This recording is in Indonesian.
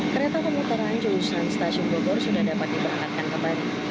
kereta pemutaran jurusan stasiun bogor sudah dapat diperangkatkan kembali